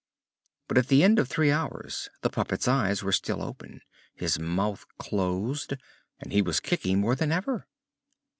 But at the end of three hours the puppet's eyes were still open, his mouth closed, and he was kicking more than ever.